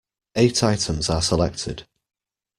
Eight items are selected.